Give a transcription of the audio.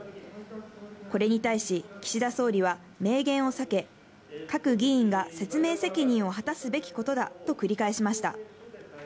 これに対し岸田総理は明言を避け、各議員が説明責任を果たすべきことだと繰り返しました。